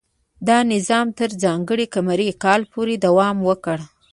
دا نظام تر ځانګړي قمري کال پورې دوام وکړ.